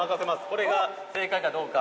これが正解かどうか。